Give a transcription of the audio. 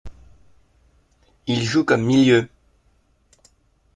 Il joue comme milieu.